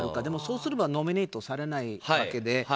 でも、そうすればノミネートされないわけで。